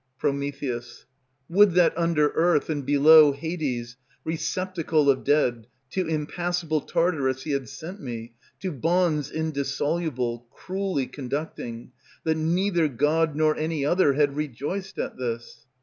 Pr. Would that under earth, and below Hades, Receptacle of dead, to impassable Tartarus he had sent me, to bonds indissoluble Cruelly conducting, that neither god Nor any other had rejoiced at this.